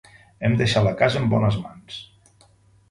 Hem deixat la casa en bones mans.